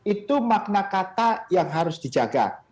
itu makna kata yang harus dijaga